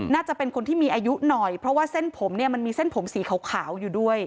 น่าจะเป็นคนที่มีอายุหน่อยเพราะว่าเส้นผมเนี่ยมันมีเส้นผมสีขาวอยู่ด้วย